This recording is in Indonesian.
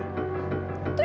tuh dia pacarnya laura